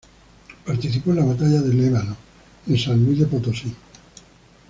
Participó en la Batalla de El Ébano en San Luis Potosí.